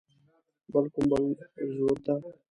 بل کوم بل زورور ته.